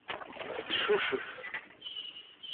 Teccucef.